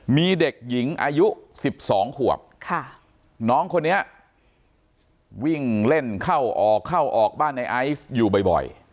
มีเด็กหญิงอายุ๑๒ขวบน้องคนนี้วิ่งเล่นเข้าออกเข้าออกบ้านในไอซ์อยู่บ่อย